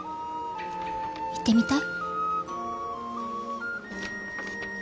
行ってみたい？